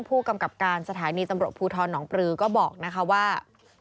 ผู้กำกับการสถานีตำรวจภูทรหนองปลือก็บอกนะคะว่า